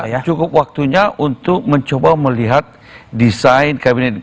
ya cukup waktunya untuk mencoba melihat desain kabinet